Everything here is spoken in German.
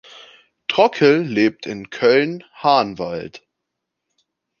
Trockel lebt in Köln-Hahnwald.